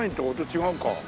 違うか。